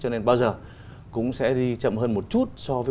cho nên bao giờ cũng sẽ đi chậm hơn một chút